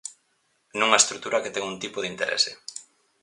Nunha estrutura que ten un tipo de interese.